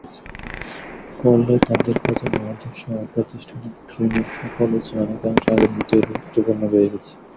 ফলে তাদের কাছে মহাজনসহ অপ্রাতিষ্ঠানিক ঋণের সকল উৎস অনেকাংশে আগের মতোই গুরুত্বপূর্ণ রয়ে গেছে।